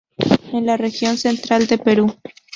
En la región central de Perú.